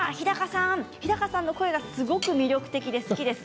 日高さんの声が、すごく魅力的で好きです。